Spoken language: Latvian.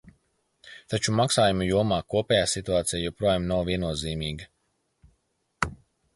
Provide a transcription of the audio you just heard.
Taču maksājumu jomā kopējā situācija joprojām nav viennozīmīga.